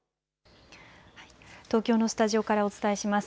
東京のスタジオからお伝えします。